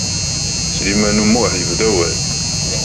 Sliman U Muḥ yebda awal.